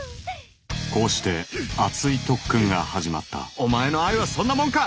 こうして熱い特訓が始まったお前の愛はそんなもんか！